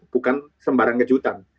bukan sembarang kejutan